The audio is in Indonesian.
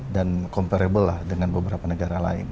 dan comparable lah dengan beberapa negara lain